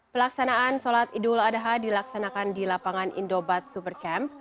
pelaksanaan sholat idul adha dilaksanakan di lapangan indobat supercamp